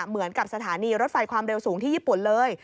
เหมือนกับสถานีรถไฟความเร็วสูงที่ญี่ปุ่นเลย